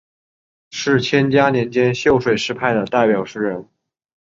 是干嘉年间秀水诗派的代表诗人。